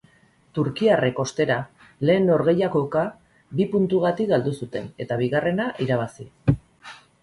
Turkiarrek, ostera, lehen norgehiagoka bi puntugtik galdu zuten eta bigarrena irabazi.